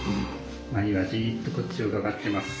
まりはじっとこっちをうかがってます。